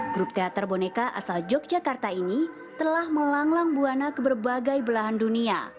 grup teater boneka asal yogyakarta ini telah melanglang buana ke berbagai belahan dunia